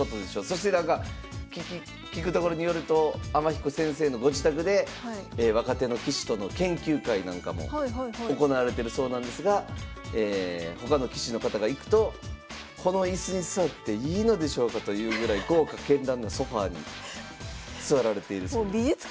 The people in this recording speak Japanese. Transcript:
そしてなんか聞くところによると天彦先生のご自宅で若手の棋士との研究会なんかも行われてるそうなんですが他の棋士の方が行くとこの椅子に座っていいのでしょうかというぐらい豪華けんらんなソファーに座られているそうです。